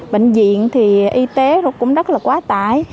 bệnh viện thì y tế cũng rất là quá tải